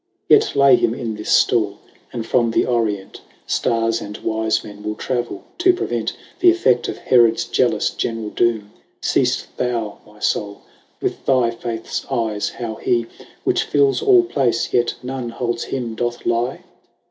5 Yet lay him in this ftall, and from the Orient, Starres, and wifemen will travell to prevent Th'effect of Herods jealous generall doome. Seeft thou, my Soule, with thy faiths eyes, how he Which fils all place, yet none holds him, doth lye?